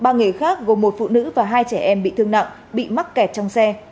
ba người khác gồm một phụ nữ và hai trẻ em bị thương nặng bị mắc kẹt trong xe